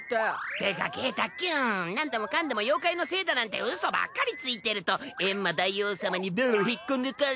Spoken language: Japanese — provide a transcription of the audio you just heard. てかケータきゅんなんでもかんでも妖怪のせいだなんてウソばっかりついてるとエンマ大王様にベロ引っこ抜かれ。